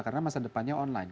karena masa depannya online